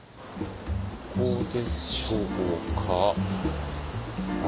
ここでしょうか。